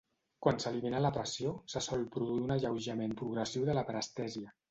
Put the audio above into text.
Quan s'elimina la pressió, se sol produir un alleujament progressiu de la parestèsia.